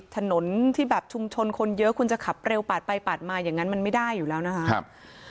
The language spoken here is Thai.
ถนนที่แบบชุมชนคนเยอะคุณจะขับเร็วปาดไปปาดมาอย่างนั้นมันไม่ได้อยู่แล้วนะครับ